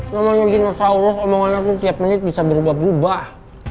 namanya dinosaurus omongannya tuh tiap menit bisa berubah ubah